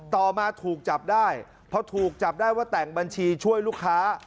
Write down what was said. ต่อมาถูกจับได้พอถูกจับได้ว่าแต่งบัญชีช่วยลูกค้า